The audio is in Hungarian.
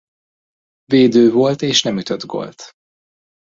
Védő volt és nem ütött gólt.